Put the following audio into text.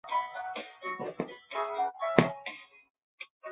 史恭之妹生汉宣帝。